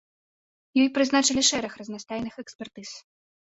Ёй прызначылі шэраг разнастайных экспертыз.